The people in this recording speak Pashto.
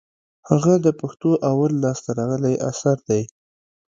هغه د پښتو اول لاس ته راغلى اثر دئ.